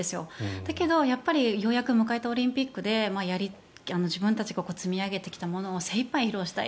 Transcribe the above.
だけど、やっぱりようやく迎えたオリンピックで自分たちが積み上げてきたものを精いっぱい披露したい。